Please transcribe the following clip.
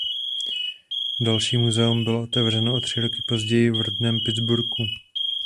Další muzeum bylo otevřeno o tři roky později v rodném Pittsburghu.